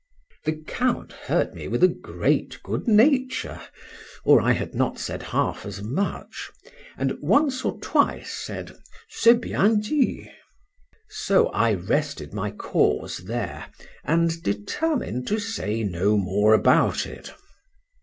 The Count heard me with great good nature, or I had not said half as much,—and once or twice said,—C'est bien dit. So I rested my cause there—and determined to say no more about it.